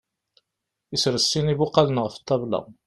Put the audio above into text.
Isres sin n ibuqalen ɣef ṭṭabla.